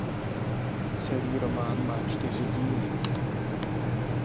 Celý román má čtyři díly.